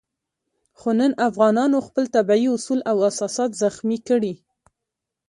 خو نن افغانانو خپل طبیعي اصول او اساسات زخمي کړي.